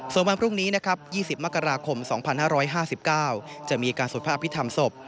ส่วนวันพรุ่งนี้นะครับ๒๐มกราคม๒๕๕๙จะมีการสวดพระอภิษฐรรมศพ